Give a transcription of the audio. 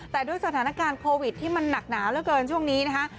แต่ด้วยสถานการณ์โควิดที่มันหนักหนาวเหลือเกินช่วงนี้นะคะ